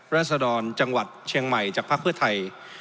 รัศดรจังหวัดเชียงใหม่จากภาคเพื่อไทย